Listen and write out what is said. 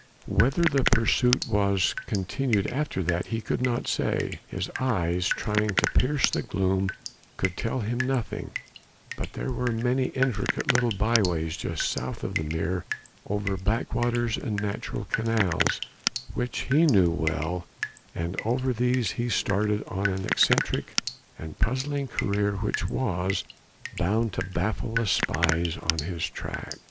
Whether the pursuit was continued after that, he could not say. His eyes trying to pierce the gloom could tell him nothing; but there were many intricate little by ways just south of the Meer over backwaters and natural canals, which he knew well, and over these he started on an eccentric and puzzling career which was bound to baffle the spies on his track.